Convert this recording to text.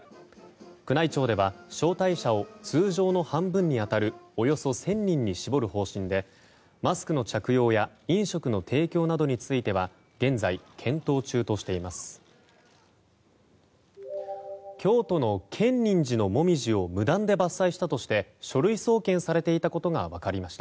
宮内庁では招待者を通常の半分に当たるおよそ１０００人に絞る方針でマスクの着用や飲食の提供などについては現在、検討中としています。